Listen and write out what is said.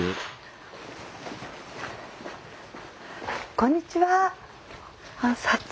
こんにちは！